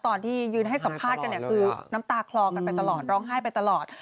ตอนที่ยืนให้สัมภาษณ์กันเนี่ยคือน้ำตาคลอกันไปตลอดร้องไห้ไปตลอด